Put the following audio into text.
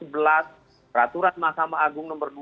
peraturan mahkamah agung nomor dua